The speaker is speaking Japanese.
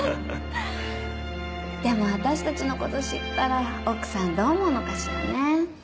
でも私たちの事知ったら奥さんどう思うのかしらね。